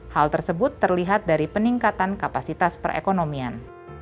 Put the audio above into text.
hal tersebut terlihat dari peningkatan kapasitas perekonomian